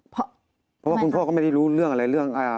เพราะว่าคุณพ่อก็ไม่ได้รู้เรื่องอะไรเรื่อง